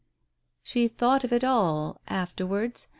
She thought of it all — afterwards